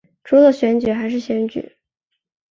除了选举还是选举